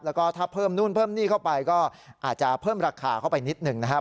แล้วก็ถ้าเพิ่มนู่นเพิ่มหนี้เข้าไปก็อาจจะเพิ่มราคาเข้าไปนิดหนึ่งนะครับ